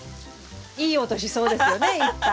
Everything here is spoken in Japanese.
いい音しそうですよねいっぱい。